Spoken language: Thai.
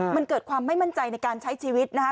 มันเกิดความไม่มั่นใจในการใช้ชีวิตนะคะ